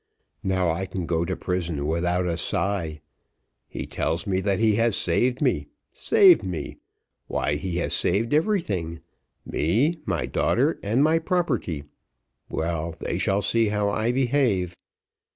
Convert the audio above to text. Now, I can go to prison without a sigh. He tells me that he has saved me saved me! why, he has saved everything; me, my daughter, and my property! Well, they shall see how I behave!